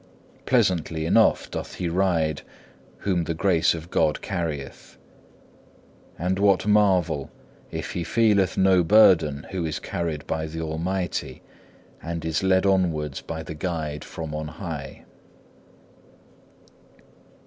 Pleasantly enough doth he ride whom the grace of God carrieth. And what marvel, if he feeleth no burden who is carried by the Almighty, and is led onwards by the Guide from on high?